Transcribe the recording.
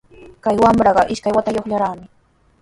Kay wamraqa ishkay watayuqllaraqmi